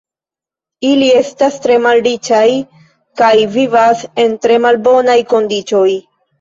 Ili estas tre malriĉaj kaj vivas en tre malbonaj kondiĉoj.